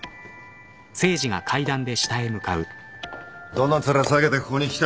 どの面下げてここに来た？